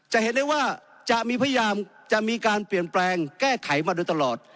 จะเห็นได้ว่าจะมีพยายามจะมีการเปลี่ยนแปลงแก้ไขมาโดยตลอด